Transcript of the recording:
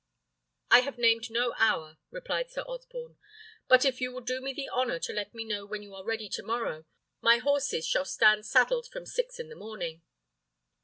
"I have named no hour," replied Sir Osborne; "but if you will do me the honour to let me know when you are ready tomorrow, my horses shall stand saddled from six in the morning."